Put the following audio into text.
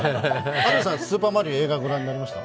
「スーパーマリオ」映画ご覧になりました？